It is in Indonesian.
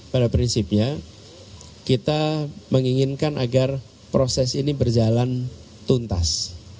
pada prinsipnya kita menginginkan agar proses ini berjalan tuntas